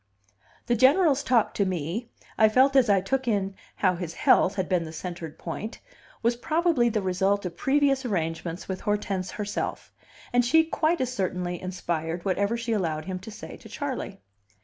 The General's talk to me (I felt as I took in how his health had been the centred point) was probably the result of previous arrangements with Hortense herself; and she quite as certainly inspired whatever she allowed him to say to Charley.